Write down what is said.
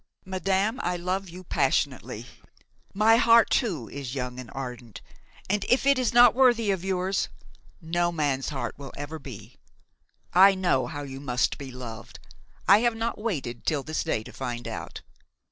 "Madame, I love you passionately; my heart too is young and ardent, and, if it is not worthy of yours, no man's heart will ever be. I know how you must be loved; I have not waited until this day to find out.